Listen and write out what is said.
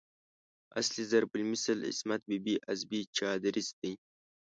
اصلي ضرب المثل "عصمت بي بي از بې چادريست" دی.